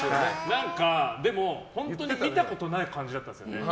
何か、でも本当に見たことない感じだったんですよね。